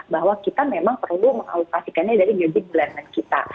bahwa kita memang perlu mengalokasikannya dari judik bulanan kita